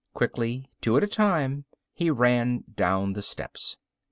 Quickly, two at a time, he ran down the steps.